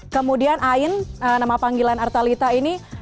kemudian ain nama panggilan artalita ini